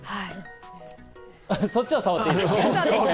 そっちは触っていい。